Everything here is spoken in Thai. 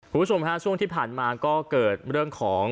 คุณผู้ชมฮะช่วงที่ผ่านมาก็เกิดเรื่องของ